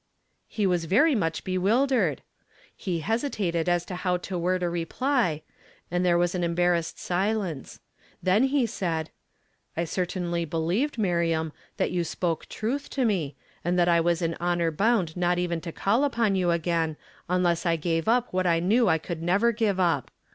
He was very much bewildered. He hesitar I as to how to word a r( ply, and there was an em barrassed silence. Then he said, — "I certainly believed Miriam, that you spoke truth to me, and that I was in honor bound not even to call upon you ag; ;n unless I gave up what 1 knew I could never give up.